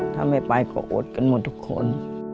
ถ้าไม่ไปก็อดกันหมดทุกคน